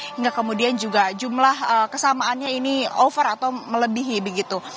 hingga kemudian juga jumlah kesamaannya ini over atau melebihi begitu